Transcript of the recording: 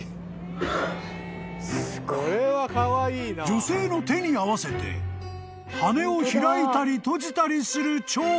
［女性の手に合わせて羽を開いたり閉じたりするチョウ！？］